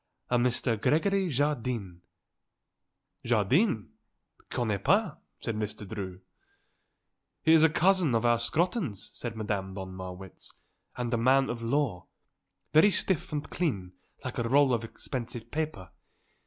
"A Mr. Gregory Jardine." "Jardine? Connais pas," said Mr. Drew. "He is a cousin of our Scrotton's," said Madame von Marwitz, "and a man of law. Very stiff and clean like a roll of expensive paper.